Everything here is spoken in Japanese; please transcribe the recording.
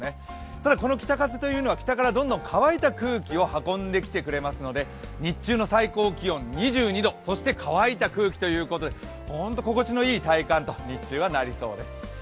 ただこの北風というのは北から乾いた空気を運んできてくれますので日中の最高気温２２度乾いた空気ということでホント心地のいい体感と日中はなりそうです。